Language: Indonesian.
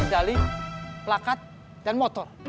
jali plakat dan motor